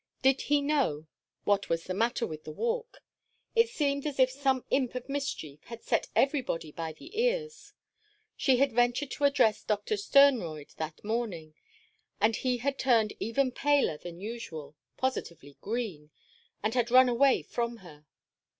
Did he know what was the matter with the Walk? It seemed as if some imp of mischief had set everybody by the ears. She had ventured to address Doctor Sternroyd that morning, and he had turned even paler than usual—positively green—and had run away from her.